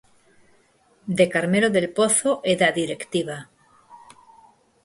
De Carmelo del Pozo e da directiva.